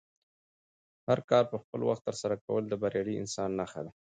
هر کار په خپل وخت ترسره کول د بریالي انسان نښه ده.